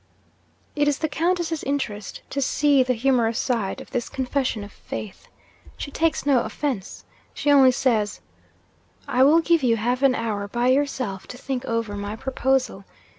It is the Countess's interest to see the humorous side of this confession of faith. She takes no offence. She only says, "I will give you half an hour by yourself, to think over my proposal.